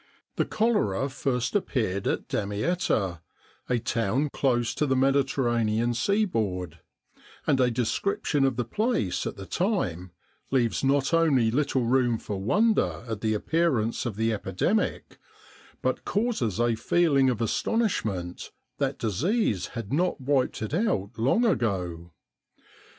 The cholera first appeared at Damietta, a town close to the Mediter ranean seaboard; and a description of the place at the time leaves not only little room for wonder at the appearance of the epidemic, but causes a feeling of astonishment that disease had not wiped it out long ago.